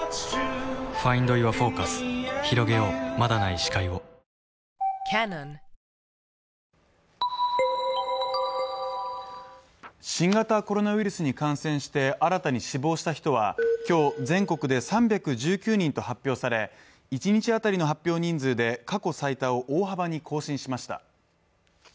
あれ確かに新型コロナウイルスに感染して新たに死亡した人は今日、全国で３１９人と発表され一日当たりの発表人数で過去最多を大幅に更新しました。